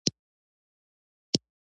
زه د قران کریم تلاوت کوم.